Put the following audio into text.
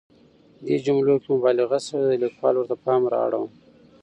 دې جملو کې مبالغه شوې ده، د ليکوال ورته پام رااړوم.